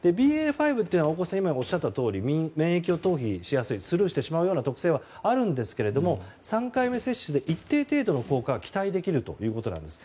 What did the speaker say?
ＢＡ．５というのは今、大越さんがおっしゃったとおり免疫をスルーしてしまう特性があるんですけども３回目接種で一定程度の効果が期待できるということです。